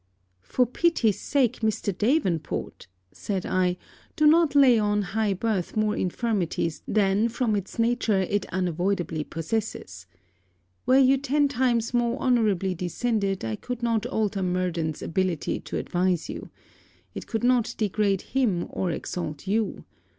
'For pity's sake, Mr. Davenport,' said I, 'do not lay on high birth more infirmities than, from its nature, it unavoidably possesses. Were you ten times more honourably descended it could not alter Murden's ability to advise you, it could not degrade him or exalt you.